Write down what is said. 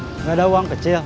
gak ada uang kecil